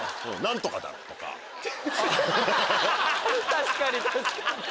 確かに確かに！